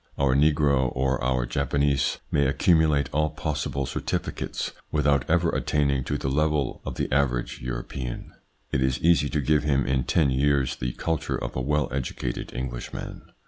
Our negro or our Japanese may accumulate all possible certificates without ever attaining to the level of the average European. It is easy to give him in ten years the culture of a well educated Englishman.